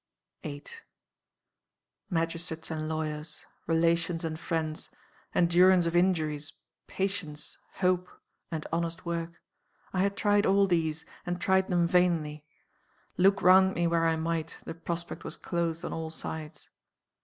8. "Magistrates and lawyers; relations and friends; endurance of injuries, patience, hope, and honest work I had tried all these, and tried them vainly. Look round me where I might, the prospect was closed on all sides.